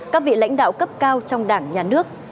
các vị lãnh đạo cấp cao trong đảng nhà nước